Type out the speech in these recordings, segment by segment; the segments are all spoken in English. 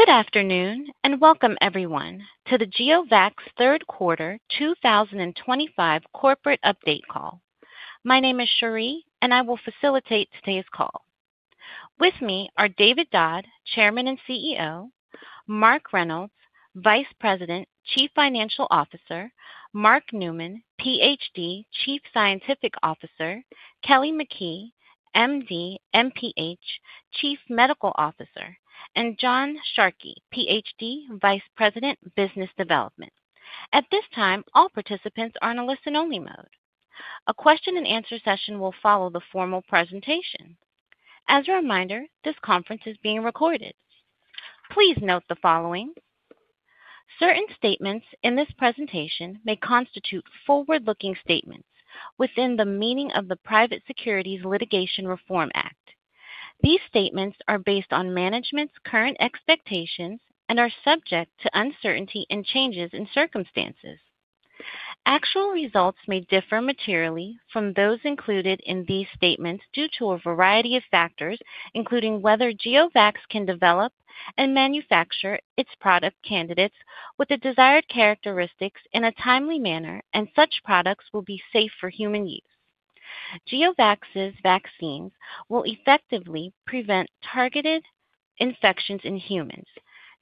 Good afternoon and welcome, everyone, to the GeoVax Q3 2025 corporate update call. My name is Cherie, and I will facilitate today's call. With me are David Dodd, Chairman and CEO; Mark Reynolds, Vice President, Chief Financial Officer; Mark Newman, Ph.D., Chief Scientific Officer; Kelly McKee, M.D., M.P.H., Chief Medical Officer; and John Sharkey, Ph.D., Vice President, Business Development. At this time, all participants are in a listen-only mode. A question-and-answer session will follow the formal presentation. As a reminder, this conference is being recorded. Please note the following: certain statements in this presentation may constitute forward-looking statements within the meaning of the Private Securities Litigation Reform Act. These statements are based on management's current expectations and are subject to uncertainty and changes in circumstances. Actual results may differ materially from those included in these statements due to a variety of factors, including whether GeoVax can develop and manufacture its product candidates with the desired characteristics in a timely manner and such products will be safe for human use. GeoVax's vaccines will effectively prevent targeted infections in humans.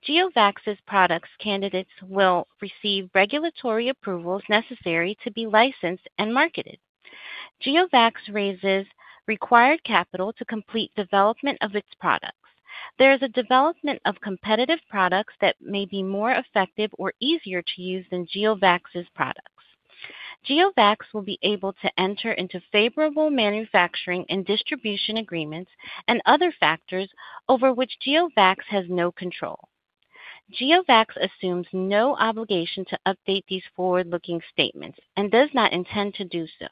GeoVax's product candidates will receive regulatory approvals necessary to be licensed and marketed. GeoVax raises required capital to complete development of its products. There is a development of competitive products that may be more effective or easier to use than GeoVax's products. GeoVax will be able to enter into favorable manufacturing and distribution agreements and other factors over which GeoVax has no control. GeoVax assumes no obligation to update these forward-looking statements and does not intend to do so.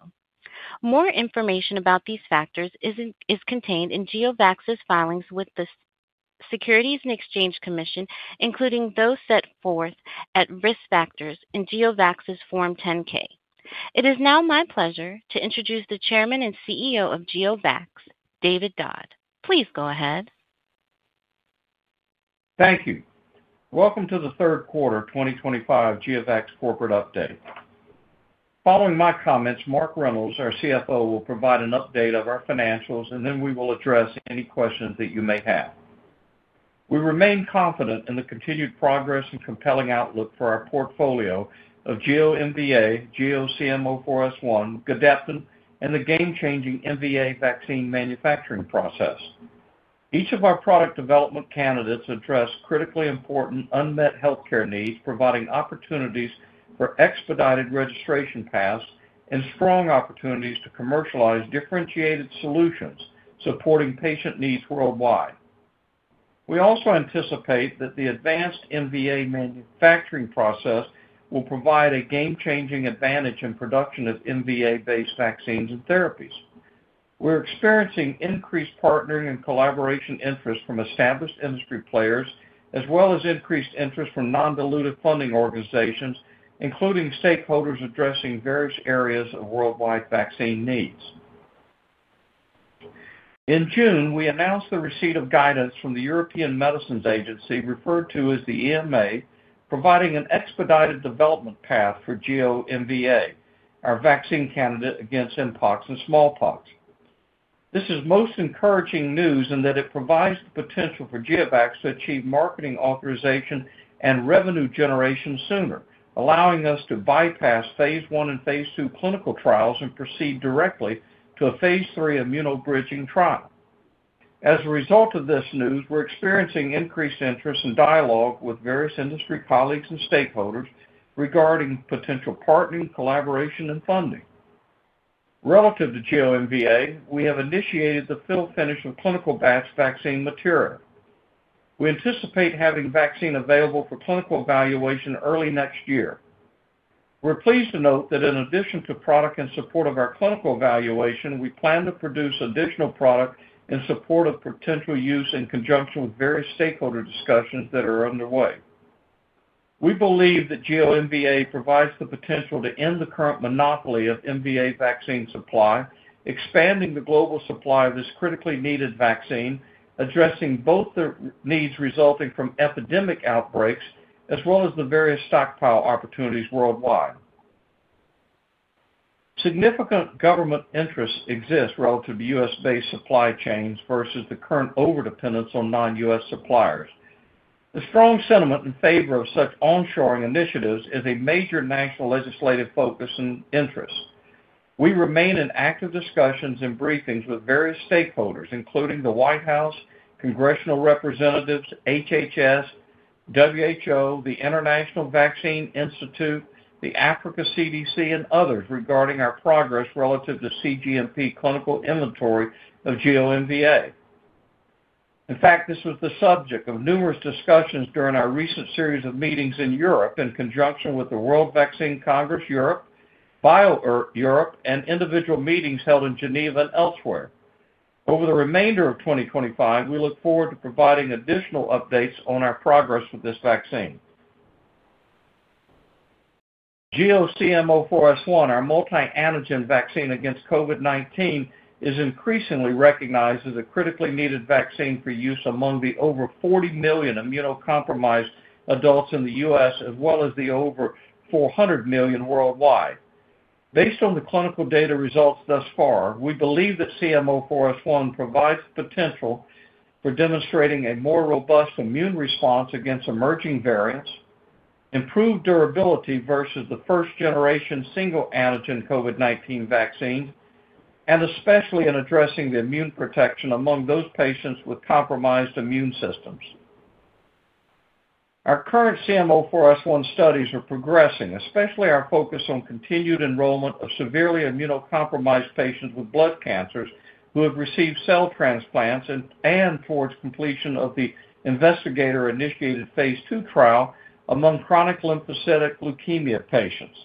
More information about these factors is contained in GeoVax's filings with the Securities and Exchange Commission, including those set forth at risk factors in GeoVax's Form 10-K. It is now my pleasure to introduce the Chairman and CEO of GeoVax, David Dodd. Please go ahead. Thank you. Welcome to the Q3 2025 GeoVax corporate update. Following my comments, Mark Reynolds, our CFO, will provide an update of our financials, and then we will address any questions that you may have. We remain confident in the continued progress and compelling outlook for our portfolio of GEO-MVA, GEO-CM04S1, Gedeptin, and the game-changing MVA vaccine manufacturing process. Each of our product development candidates address critically important unmet healthcare needs, providing opportunities for expedited registration paths and strong opportunities to commercialize differentiated solutions supporting patient needs worldwide. We also anticipate that the advanced MVA manufacturing process will provide a game-changing advantage in production of MVA-based vaccines and therapies. We're experiencing increased partnering and collaboration interest from established industry players, as well as increased interest from non-dilutive funding organizations, including stakeholders addressing various areas of worldwide vaccine needs. In June, we announced the receipt of guidance from the European Medicines Agency, referred to as the EMA, providing an expedited development path for GEO-MVA, our vaccine candidate against mpox and smallpox. This is most encouraging news in that it provides the potential for GeoVax to achieve marketing authorization and revenue generation sooner, allowing us to bypass phase I and phase II clinical trials and proceed directly to a phase III immunobridging trial. As a result of this news, we're experiencing increased interest and dialogue with various industry colleagues and stakeholders regarding potential partnering, collaboration, and funding. Relative to GEO-MVA, we have initiated the fill/finish of clinical batch vaccine material. We anticipate having vaccine available for clinical evaluation early next year. We're pleased to note that in addition to product and support of our clinical evaluation, we plan to produce additional product in support of potential use in conjunction with various stakeholder discussions that are underway. We believe that GEO-MVA provides the potential to end the current monopoly of MVA vaccine supply, expanding the global supply of this critically needed vaccine, addressing both the needs resulting from epidemic outbreaks as well as the various stockpile opportunities worldwide. Significant government interests exist relative to U.S.-based supply chains versus the current overdependence on non-U.S. suppliers. The strong sentiment in favor of such onshoring initiatives is a major national legislative focus and interest. We remain in active discussions and briefings with various stakeholders, including the White House, congressional representatives, HHS, WHO, the International Vaccine Institute, the Africa CDC, and others regarding our progress relative to cGMP clinical inventory of GEO-MVA. In fact, this was the subject of numerous discussions during our recent series of meetings in Europe in conjunction with the World Vaccine Congress Europe, BioEurope, and individual meetings held in Geneva and elsewhere. Over the remainder of 2025, we look forward to providing additional updates on our progress with this vaccine. GEO-CM04S1, our multi-antigen vaccine against COVID-19, is increasingly recognized as a critically needed vaccine for use among the over 40 million immunocompromised adults in the U.S., as well as the over 400 million worldwide. Based on the clinical data results thus far, we believe that CM04S1 provides the potential for demonstrating a more robust immune response against emerging variants, improved durability versus the first-generation single-antigen COVID-19 vaccine, and especially in addressing the immune protection among those patients with compromised immune systems. Our current CM04S1 studies are progressing, especially our focus on continued enrollment of severely immunocompromised patients with blood cancers who have received cell transplants and towards completion of the investigator-initiated phase II trial among chronic lymphocytic leukemia patients.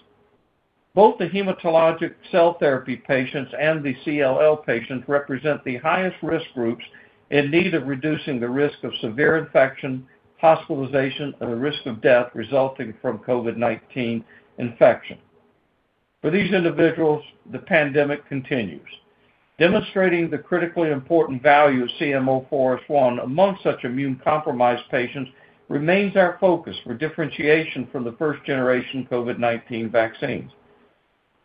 Both the hematologic cell therapy patients and the CLL patients represent the highest risk groups in need of reducing the risk of severe infection, hospitalization, and the risk of death resulting from COVID-19 infection. For these individuals, the pandemic continues. Demonstrating the critically important value of CM04S1 among such immunocompromised patients remains our focus for differentiation from the first-generation COVID-19 vaccines.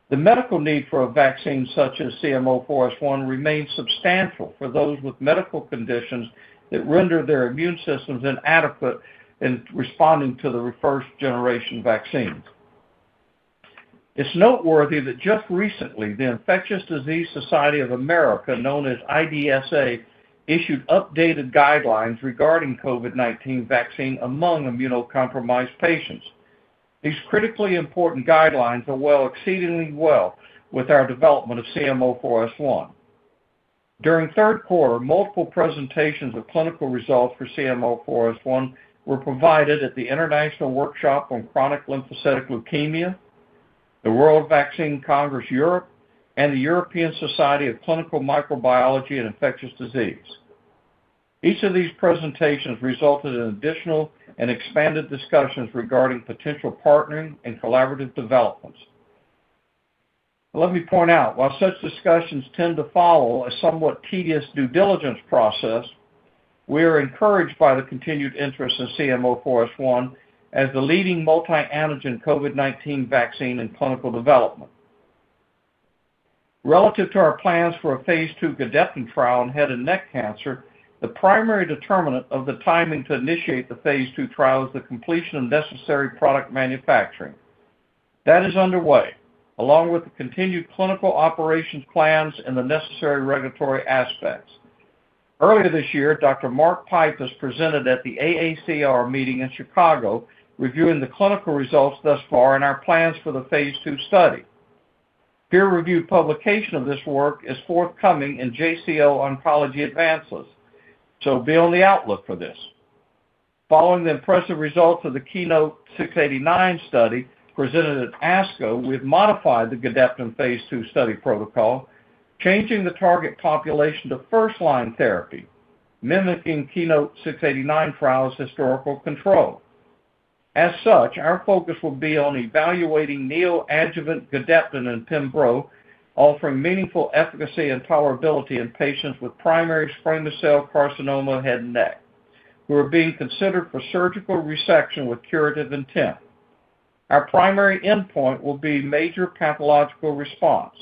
The medical need for a vaccine such as CM04S1 remains substantial for those with medical conditions that render their immune systems inadequate in responding to the first-generation vaccines. It's noteworthy that just recently, the Infectious Disease Society of America, known as IDSA, issued updated guidelines regarding COVID-19 vaccine among immunocompromised patients. These critically important guidelines are exceedingly well with our development of CM04S1. During Q3, multiple presentations of clinical results for CM04S1 were provided at the International Workshop on Chronic Lymphocytic Leukemia, the World Vaccine Congress Europe, and the European Society of Clinical Microbiology and Infectious Disease. Each of these presentations resulted in additional and expanded discussions regarding potential partnering and collaborative developments. Let me point out, while such discussions tend to follow a somewhat tedious due diligence process, we are encouraged by the continued interest in CM04S1 as the leading multi-antigen COVID-19 vaccine in clinical development. Relative to our plans for a phase II Gedeptin trial in head and neck cancer, the primary determinant of the timing to initiate the phase II trial is the completion of necessary product manufacturing. That is underway, along with the continued clinical operations plans and the necessary regulatory aspects. Earlier this year, Dr. Mark Pipe has presented at the AACR meeting in Chicago reviewing the clinical results thus far and our plans for the phase II study. Peer-reviewed publication of this work is forthcoming in JCO Oncology Advances, so be on the outlook for this. Following the impressive results of the Keynote-689 study presented at ASCO, we've modified the Gedeptin phase II study protocol, changing the target population to first-line therapy, mimicking Keynote-689 trial's historical control. As such, our focus will be on evaluating neoadjuvant Gedeptin and Pembro, offering meaningful efficacy and tolerability in patients with primary squamous cell carcinoma of head and neck, who are being considered for surgical resection with curative intent. Our primary endpoint will be major pathological response.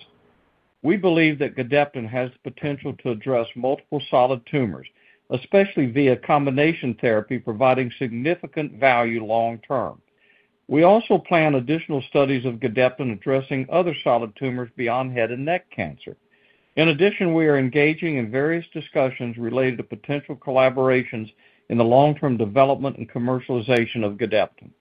We believe that Gedeptin has the potential to address multiple solid tumors, especially via combination therapy, providing significant value long-term. We also plan additional studies of Gedeptin addressing other solid tumors beyond head and neck cancer. In addition, we are engaging in various discussions related to potential collaborations in the long-term development and commercialization of Gedeptin.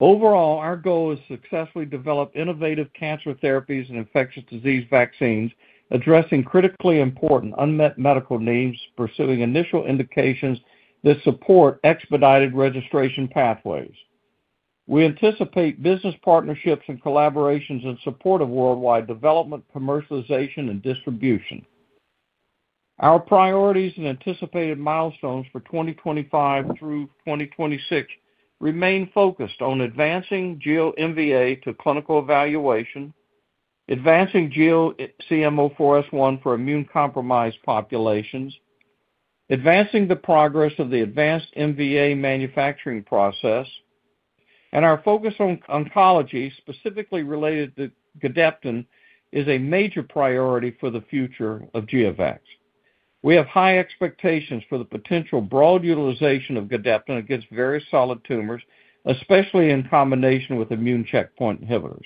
Overall, our goal is to successfully develop innovative cancer therapies and infectious disease vaccines, addressing critically important unmet medical needs, pursuing initial indications that support expedited registration pathways. We anticipate business partnerships and collaborations in support of worldwide development, commercialization, and distribution. Our priorities and anticipated milestones for 2025 through 2026 remain focused on advancing GEO-MVA to clinical evaluation, advancing GEO-CM04S1 for immunocompromised populations, advancing the progress of the advanced MVA manufacturing process, and our focus on oncology specifically related to Gedeptin is a major priority for the future of GeoVax. We have high expectations for the potential broad utilization of Gedeptin against various solid tumors, especially in combination with immune checkpoint inhibitors.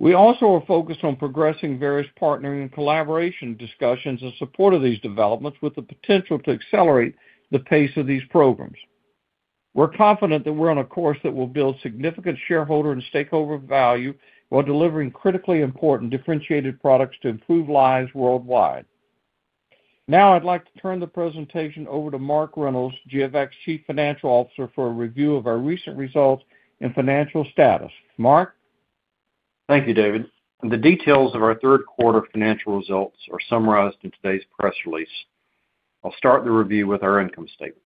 We also are focused on progressing various partnering and collaboration discussions in support of these developments, with the potential to accelerate the pace of these programs. We're confident that we're on a course that will build significant shareholder and stakeholder value while delivering critically important differentiated products to improve lives worldwide. Now, I'd like to turn the presentation over to Mark Reynolds, GeoVax Chief Financial Officer, for a review of our recent results and financial status. Mark? Thank you, David. The details of our Q3 financial results are summarized in today's press release. I'll start the review with our income statement.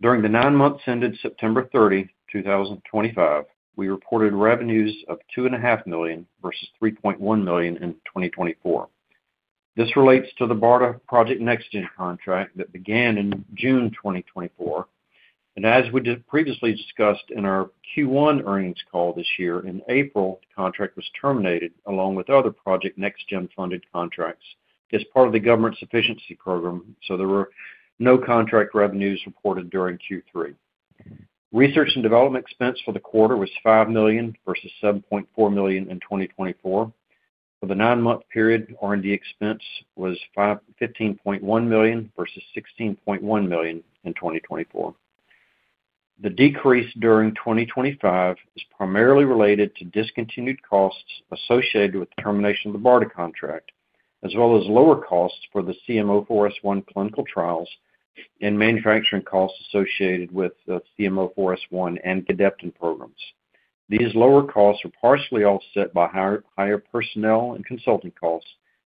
During the nine months ended September 30, 2025, we reported revenues of $2.5 million versus $3.1 million in 2024. This relates to the BARDA Project NextGen contract that began in June 2024. As we previously discussed in our Q1 earnings call this year, in April, the contract was terminated along with other Project NextGen funded contracts as part of the government sufficiency program, so there were no contract revenues reported during Q3. Research and development expense for the quarter was $5 million versus $7.4 million in 2024. For the nine-month period, R&D expense was $15.1 million versus $16.1 million in 2024. The decrease during 2025 is primarily related to discontinued costs associated with the termination of the BARDA contract, as well as lower costs for the CM04S1 clinical trials and manufacturing costs associated with the CM04S1 and Gedeptin programs. These lower costs are partially offset by higher personnel and consulting costs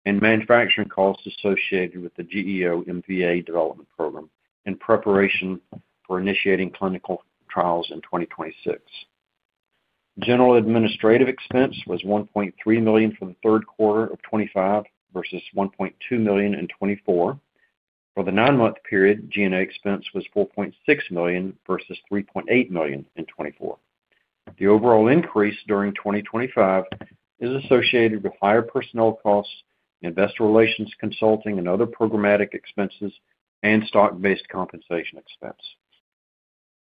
and manufacturing costs associated with the GEO-MVA development program in preparation for initiating clinical trials in 2026. General administrative expense was $1.3 million for Q3 of 2025 versus $1.2 million in 2024. For the nine-month period, G&A expense was $4.6 million versus $3.8 million in 2024. The overall increase during 2025 is associated with higher personnel costs, investor relations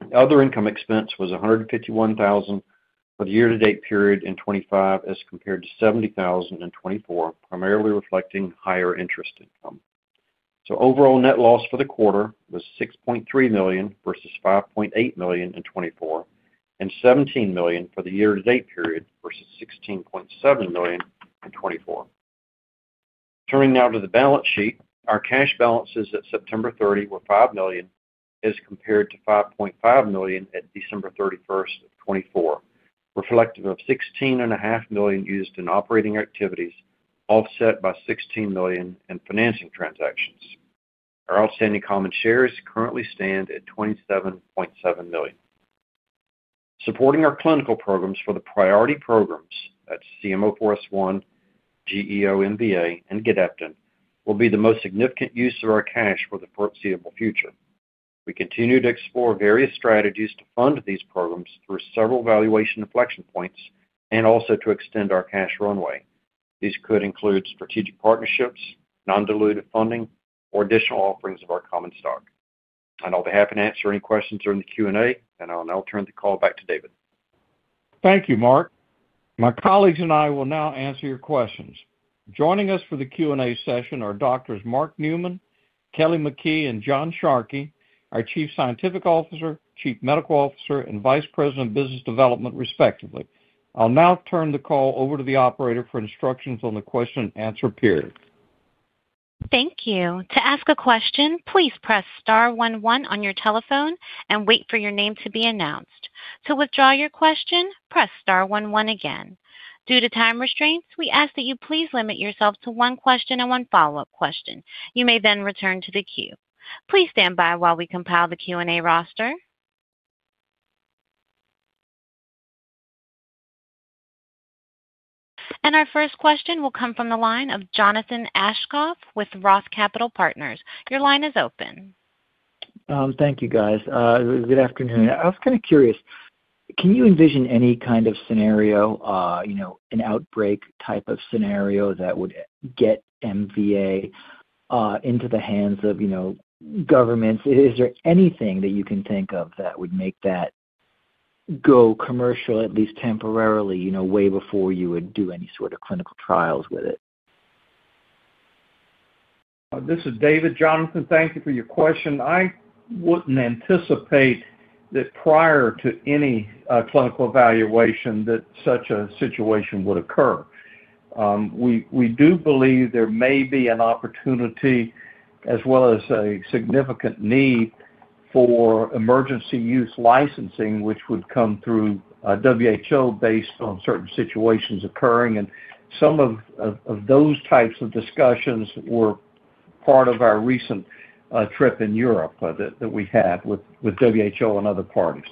consulting, and other programmatic expenses and stock-based compensation expense. Other income expense was $151,000 for the year-to-date period in 2025 as compared to $70,000 in 2024, primarily reflecting higher interest income. Overall net loss for the quarter was $6.3 million versus $5.8 million in 2024 and $17 million for the year-to-date period versus $16.7 million in 2024. Turning now to the balance sheet, our cash balances at September 30 were $5 million as compared to $5.5 million at December 31, 2024, reflective of $16.5 million used in operating activities, offset by $16 million in financing transactions. Our outstanding common shares currently stand at 27.7 million. Supporting our clinical programs for the priority programs at CM04S1, GEO-MVA, and Gedeptin will be the most significant use of our cash for the foreseeable future. We continue to explore various strategies to fund these programs through several valuation inflection points and also to extend our cash runway. These could include strategic partnerships, non-dilutive funding, or additional offerings of our common stock. I'll be happy to answer any questions during the Q&A, and I'll now turn the call back to David. Thank you, Mark. My colleagues and I will now answer your questions. Joining us for the Q&A session are Doctors Mark Newman, Kelly McKee, and John Sharkey, our Chief Scientific Officer, Chief Medical Officer, and Vice President of Business Development, respectively. I'll now turn the call over to the operator for instructions on the question and answer period. Thank you. To ask a question, please press star 11 on your telephone and wait for your name to be announced. To withdraw your question, press star 11 again. Due to time restraints, we ask that you please limit yourself to one question and one follow-up question. You may then return to the queue. Please stand by while we compile the Q&A roster. Our first question will come from the line of Jonathan Ashcoff with Roth Capital Partners. Your line is open. Thank you, guys. Good afternoon. I was kind of curious, can you envision any kind of scenario, an outbreak type of scenario that would get MVA into the hands of governments? Is there anything that you can think of that would make that go commercial, at least temporarily, way before you would do any sort of clinical trials with it? This is David. Jonathan, thank you for your question. I wouldn't anticipate that prior to any clinical evaluation that such a situation would occur. We do believe there may be an opportunity, as well as a significant need for emergency use licensing, which would come through WHO based on certain situations occurring. Some of those types of discussions were part of our recent trip in Europe that we had with WHO and other parties.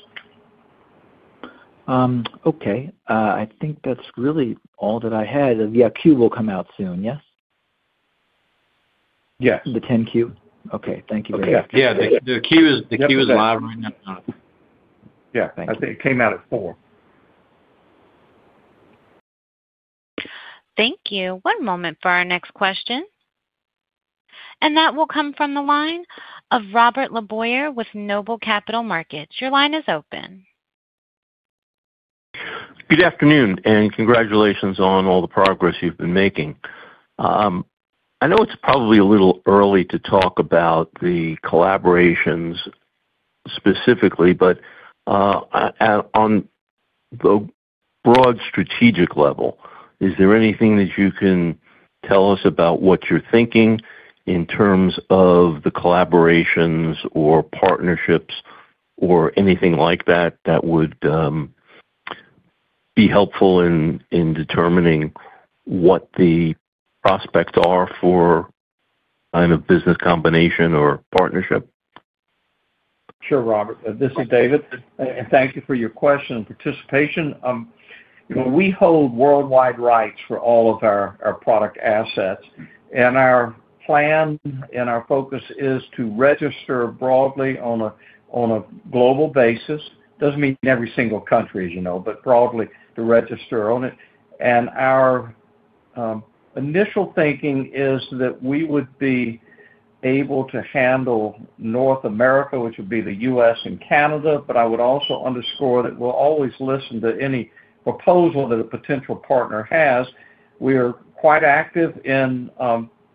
Okay. I think that's really all that I had. The queue will come out soon, yes? Yes. The 10Q? Okay. Thank you very much. Yeah. The queue is live right now. Yeah. Thank you. I think it came out at 4:00. Thank you. One moment for our next question. That will come from the line of Robert LaBoyer with Noble Capital Markets. Your line is open. Good afternoon, and congratulations on all the progress you've been making. I know it's probably a little early to talk about the collaborations specifically, but on the broad strategic level, is there anything that you can tell us about what you're thinking in terms of the collaborations or partnerships or anything like that that would be helpful in determining what the prospects are for kind of business combination or partnership? Sure, Robert. This is David. Thank you for your question and participation. We hold worldwide rights for all of our product assets. Our plan and our focus is to register broadly on a global basis. It does not mean every single country, as you know, but broadly to register on it. Our initial thinking is that we would be able to handle North America, which would be the U.S. and Canada. I would also underscore that we will always listen to any proposal that a potential partner has. We are quite active in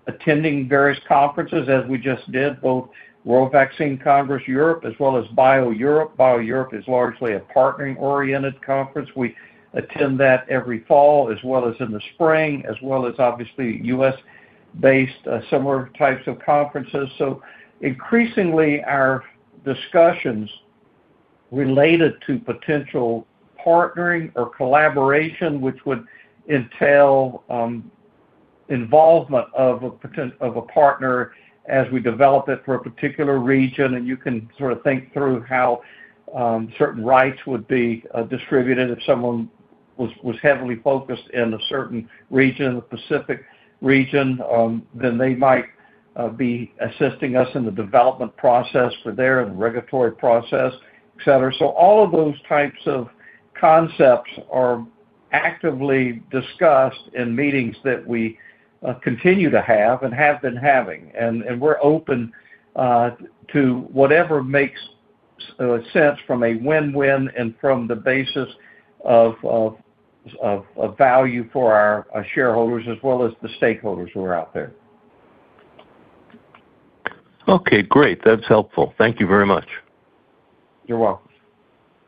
attending various conferences, as we just did, both World Vaccine Congress Europe, as well as BioEurope. BioEurope is largely a partnering-oriented conference. We attend that every fall, as well as in the spring, as well as, obviously, U.S.-based similar types of conferences. Increasingly, our discussions related to potential partnering or collaboration, which would entail involvement of a partner as we develop it for a particular region. You can sort of think through how certain rights would be distributed. If someone was heavily focused in a certain region, the Pacific region, then they might be assisting us in the development process for their regulatory process, etc. All of those types of concepts are actively discussed in meetings that we continue to have and have been having. We're open to whatever makes sense from a win-win and from the basis of value for our shareholders, as well as the stakeholders who are out there. Okay. Great. That's helpful. Thank you very much. You're welcome.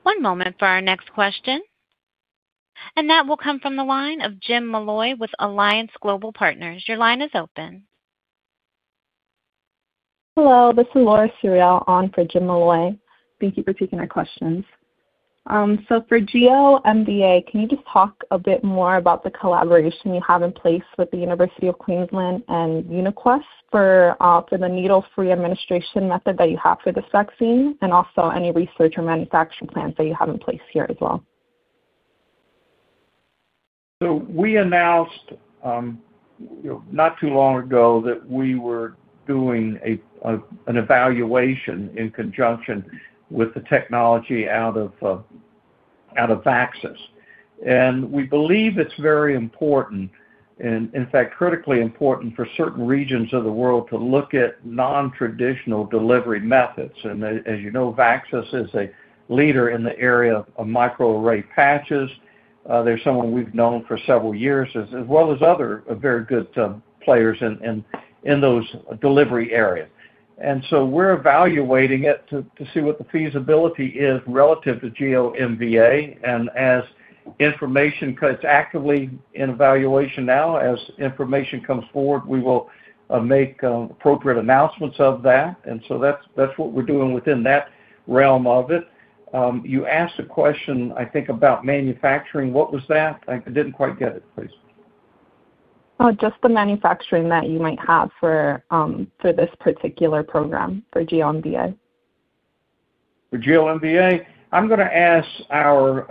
One moment for our next question. That will come from the line of Jim Malloy with Alliance Global Partners. Your line is open. Hello. This is Laura Suriel on for Jim Malloy. Thank you for taking our questions. For GEO-MVA, can you just talk a bit more about the collaboration you have in place with the University of Queensland and UniQuest for the needle-free administration method that you have for this vaccine and also any research or manufacturing plans that you have in place here as well? We announced not too long ago that we were doing an evaluation in conjunction with the technology out of Vaxxas. We believe it's very important, in fact, critically important for certain regions of the world to look at non-traditional delivery methods. As you know, Vaxxas is a leader in the area of microarray patches. They're someone we've known for several years, as well as other very good players in those delivery areas. We're evaluating it to see what the feasibility is relative to GEO-MVA. As information comes forward, we will make appropriate announcements of that. That's what we're doing within that realm of it. You asked a question, I think, about manufacturing. What was that? I didn't quite get it, please. Just the manufacturing that you might have for this particular program for GEO-MVA. For GeoMVA, I'm going to ask our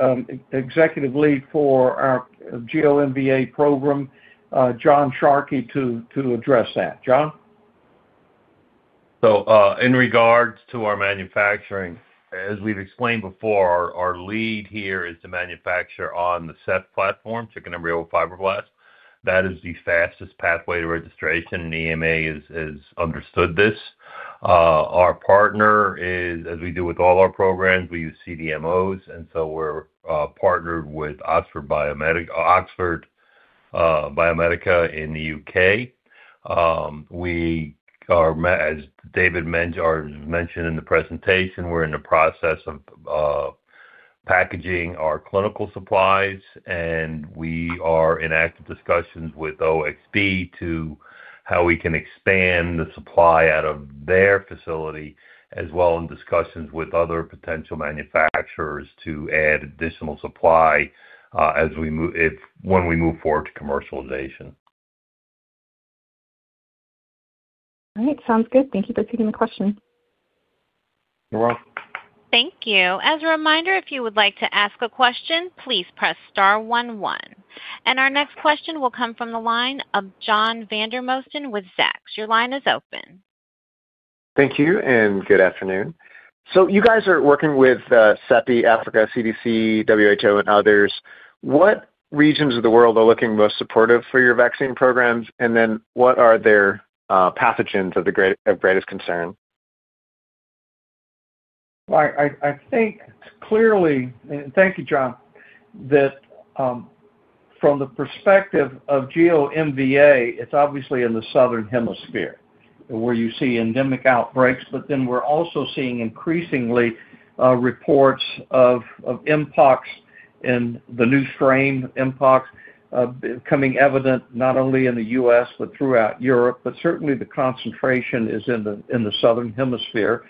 executive lead for our GeoMVA program, John Sharkey, to address that. John? In regards to our manufacturing, as we've explained before, our lead here is to manufacture on the CEF platform, chicken embryo fibroblast. That is the fastest pathway to registration, and EMA has understood this. Our partner is, as we do with all our programs, we use CDMOs. We are partnered with Oxford Biomedica in the U.K. As David mentioned in the presentation, we're in the process of packaging our clinical supplies. We are in active discussions with OXB on how we can expand the supply out of their facility, as well as discussions with other potential manufacturers to add additional supply when we move forward to commercialization. All right. Sounds good. Thank you for taking the question. You're welcome. Thank you. As a reminder, if you would like to ask a question, please press star 1 1. Our next question will come from the line of John Vandermosten with Zacks. Your line is open. Thank you and good afternoon. You guys are working with CEPI, Africa CDC, WHO, and others. What regions of the world are looking most supportive for your vaccine programs? What are their pathogens of greatest concern? I think clearly, and thank you, John, that from the perspective of GEO-MVA, it's obviously in the Southern Hemisphere where you see endemic outbreaks. But then we're also seeing increasingly reports of mpox in the new strain, mpox, becoming evident not only in the U.S. but throughout Europe. Certainly, the concentration is in the Southern Hemisphere.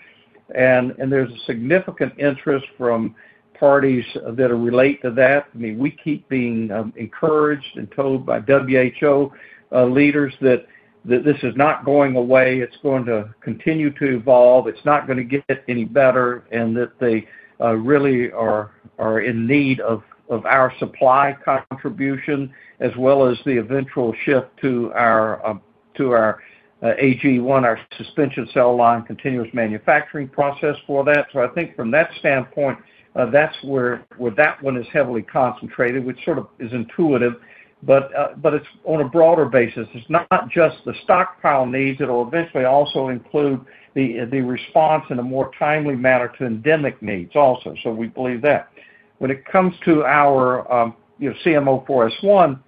There's a significant interest from parties that relate to that. I mean, we keep being encouraged and told by WHO leaders that this is not going away. It's going to continue to evolve. It's not going to get any better, and that they really are in need of our supply contribution, as well as the eventual shift to our AG1, our suspension cell line continuous manufacturing process for that. I think from that standpoint, that's where that one is heavily concentrated, which sort of is intuitive. It is on a broader basis. It is not just the stockpile needs. It will eventually also include the response in a more timely manner to endemic needs also. We believe that. When it comes to our CM04S1,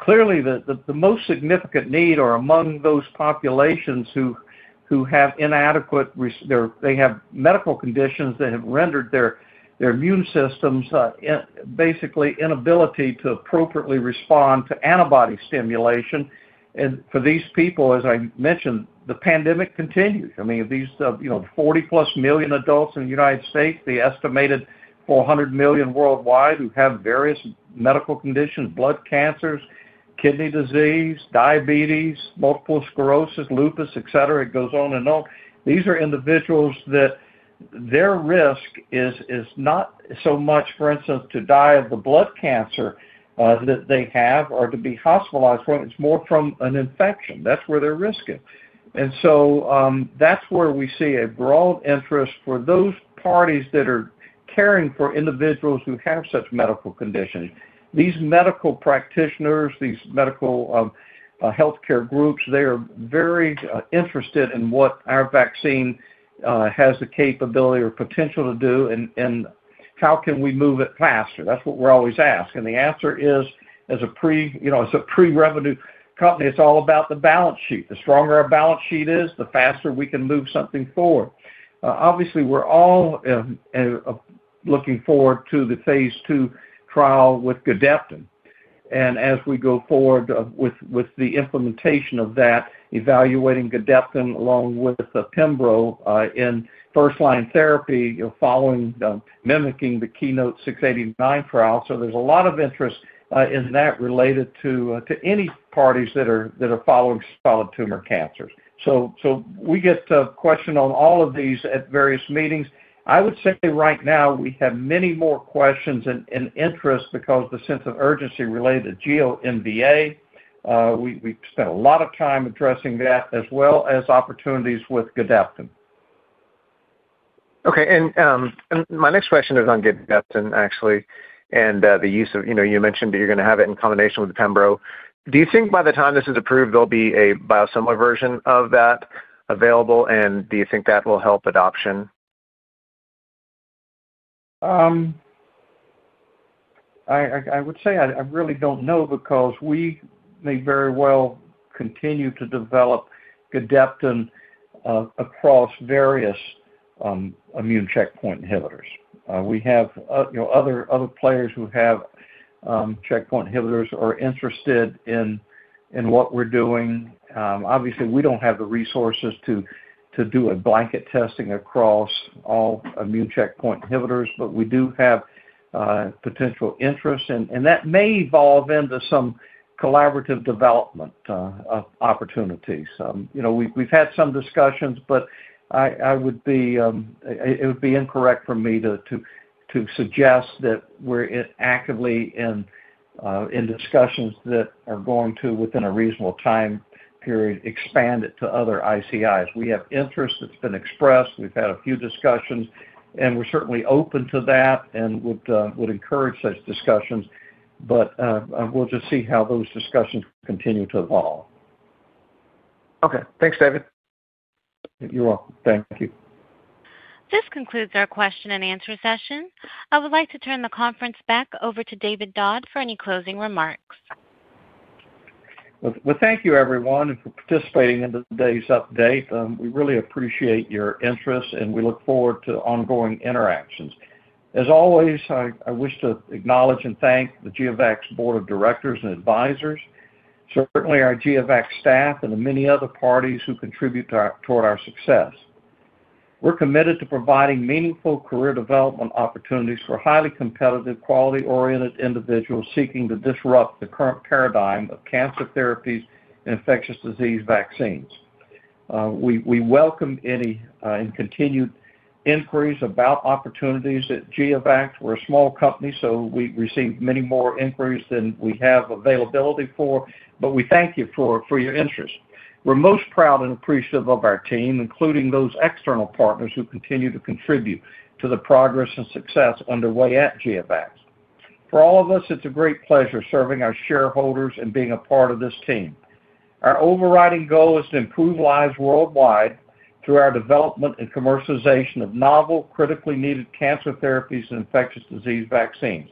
clearly, the most significant need or among those populations who have inadequate—they have medical conditions that have rendered their immune systems basically inability to appropriately respond to antibody stimulation. For these people, as I mentioned, the pandemic continues. I mean, of these 40-plus million adults in the United States, the estimated 400 million worldwide who have various medical conditions: blood cancers, kidney disease, diabetes, multiple sclerosis, lupus, etc. It goes on and on. These are individuals that their risk is not so much, for instance, to die of the blood cancer that they have or to be hospitalized from. It is more from an infection. That is where their risk is. That is where we see a broad interest for those parties that are caring for individuals who have such medical conditions. These medical practitioners, these medical healthcare groups, they are very interested in what our vaccine has the capability or potential to do and how can we move it faster. That is what we are always asked. The answer is, as a pre-revenue company, it is all about the balance sheet. The stronger our balance sheet is, the faster we can move something forward. Obviously, we are all looking forward to the phase II trial with Gedeptin. As we go forward with the implementation of that, evaluating Gedeptin along with Pembro in first-line therapy, following and mimicking the Keynote-689 trial, there is a lot of interest in that related to any parties that are following solid tumor cancers. We get questions on all of these at various meetings. I would say right now, we have many more questions and interest because of the sense of urgency related to GEO-MVA. We spent a lot of time addressing that, as well as opportunities with Gedeptin. Okay. And my next question is on Gedeptin, actually, and the use of—you mentioned that you're going to have it in combination with Pembro. Do you think by the time this is approved, there'll be a biosimilar version of that available? Do you think that will help adoption? I would say I really don't know because we may very well continue to develop Gedeptin across various immune checkpoint inhibitors. We have other players who have checkpoint inhibitors who are interested in what we're doing. Obviously, we don't have the resources to do a blanket testing across all immune checkpoint inhibitors, but we do have potential interest. That may evolve into some collaborative development opportunities. We've had some discussions, but I would be—it would be incorrect for me to suggest that we're actively in discussions that are going to, within a reasonable time period, expand it to other ICIs. We have interest that's been expressed. We've had a few discussions, and we're certainly open to that and would encourage such discussions. We'll just see how those discussions continue to evolve. Okay. Thanks, David. You're welcome. Thank you. This concludes our question and answer session. I would like to turn the conference back over to David Dodd for any closing remarks. Thank you, everyone, for participating in today's update. We really appreciate your interest, and we look forward to ongoing interactions. As always, I wish to acknowledge and thank the GeoVax Board of Directors and Advisors, certainly our GeoVax staff, and the many other parties who contribute toward our success. We're committed to providing meaningful career development opportunities for highly competitive, quality-oriented individuals seeking to disrupt the current paradigm of cancer therapies and infectious disease vaccines. We welcome any and continued inquiries about opportunities at GeoVax. We're a small company, so we receive many more inquiries than we have availability for. We thank you for your interest. We're most proud and appreciative of our team, including those external partners who continue to contribute to the progress and success underway at GeoVax. For all of us, it's a great pleasure serving our shareholders and being a part of this team. Our overriding goal is to improve lives worldwide through our development and commercialization of novel, critically needed cancer therapies and infectious disease vaccines.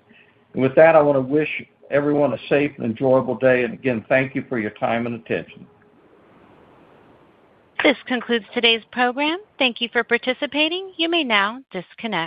I want to wish everyone a safe and enjoyable day. Again, thank you for your time and attention. This concludes today's program. Thank you for participating. You may now disconnect.